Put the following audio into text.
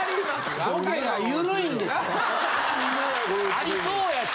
ありそうやし。